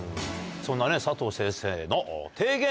そんなね佐藤先生の提言